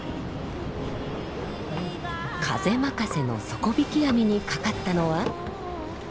風まかせの底引き網にかかったのは。